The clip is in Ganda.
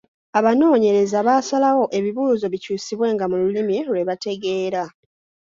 Abanoonyereza baasalawo ebibuuzo bikyusibwenga mu lulimi lwe bategeera.